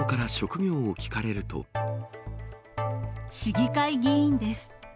市議会議員です。